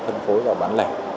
thân phối vào bán lẻ